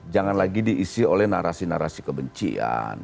jangan lagi diisi oleh narasi narasi kebencian